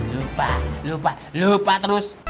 lupa lupa lupa terus